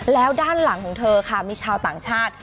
แล้วด้านหลังของเธอค่ะมีชาวต่างชาติ